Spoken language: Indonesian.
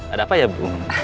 ada apa ya bu